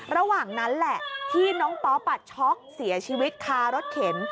ระหว่างนั้นแหละที่น้องป๊อปช็อกเสียชีวิตคารถเข็น